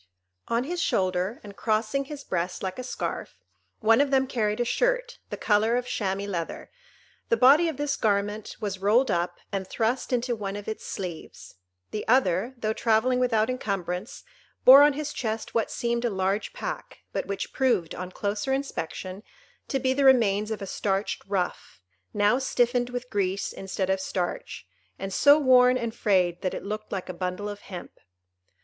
On his shoulder, and crossing his breast like a scarf, one of them carried a shirt, the colour of chamois leather; the body of this garment was rolled up and thrust into one of its sleeves: the other, though travelling without incumbrance, bore on his chest what seemed a large pack, but which proved, on closer inspection, to be the remains of a starched ruff, now stiffened with grease instead of starch, and so worn and frayed that it looked like a bundle of hemp.